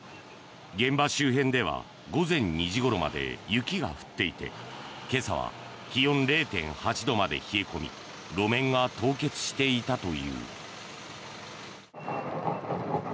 現場周辺では午前２時ごろまで雪が降っていて今朝は気温０．８度まで冷え込み路面が凍結していたという。